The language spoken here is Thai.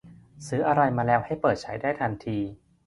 ซื้ออะไรมาแล้วให้เปิดใช้ได้ทันที